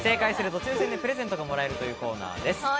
正解すると抽選でプレゼントがもらえるというコーナーです。